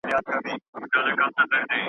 بزګر وویل که سترګي یې بینا وي .